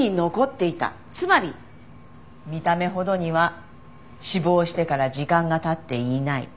つまり見た目ほどには死亡してから時間が経っていない。